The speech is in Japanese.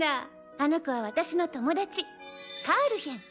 あの子は私の友達カールヒェン。